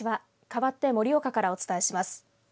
かわって盛岡からお伝えします。